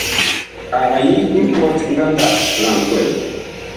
Ag yi mpɔt ngandag la nkwɛl.